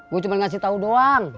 gue cuman kasih tau doang